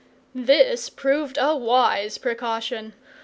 This proved a wise precaution.